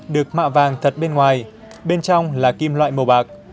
được mạ vàng thật bên ngoài bên trong là kim loại màu bạc